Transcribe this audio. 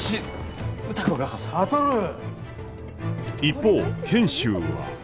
一方賢秀は。